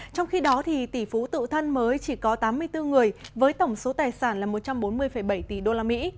trong khi đó tỷ phú tự thân mới chỉ có tám mươi bốn người với tổng số tài sản là một trăm bốn mươi bảy tỷ usd